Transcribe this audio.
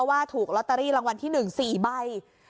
ค่ะถุกลตรีรางวัลที่หนึ่งสี่ใบ